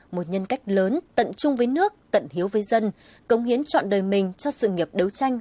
một nhân cách lớn tận chung với nước tận hiếu với dân công hiến chọn đời mình cho sự nghiệp đấu tranh